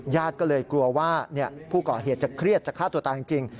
ญาติก็เลยกลัวว่าผู้ก่อเหตุจะเครียดจะฆ่าตัวตายจริง